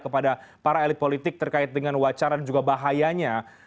kepada para elit politik terkait dengan wacara dan juga bahayanya